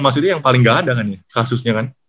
maksudnya yang paling gak ada kasusnya kan